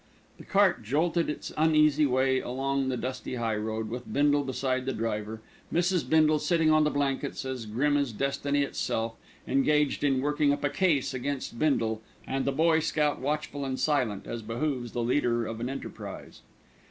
The cart jolted its uneasy way along the dusty high road, with Bindle beside the driver, Mrs. Bindle sitting on the blankets as grim as Destiny itself, engaged in working up a case against Bindle, and the boy scout watchful and silent, as behoves the leader of an enterprise.